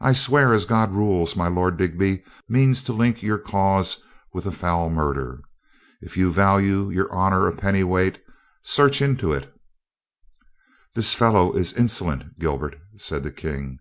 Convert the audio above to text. I swear as God rules, my Lord Digby means to link your cause with a foul murder. If you value your ^lonor a pennyweight, search into it" "This fellow is insolent, Gilbert," said the King.